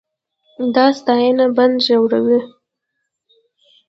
دا ستاینه بند ژوروي.